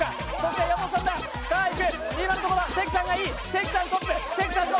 関さんトップ。